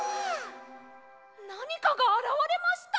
なにかがあらわれました！